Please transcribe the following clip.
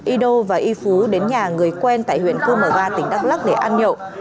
ido và y phú đến nhà người quen tại huyện cư mở va tỉnh đắk lắc để ăn nhậu